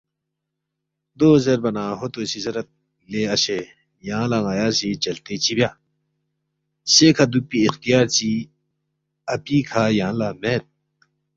دو زیربا نہ طوطو سی زیرید، لے اشے یانگ لہ ن٘یا سی جلتے چِہ بیا؟ سے کھہ دُوکپی اختیار چی اپی کھہ یانگ لہ مید